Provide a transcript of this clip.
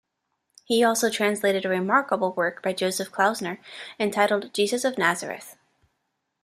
He also translated a remarkable work by Joseph Klausner entitled "Jesus of Nazareth".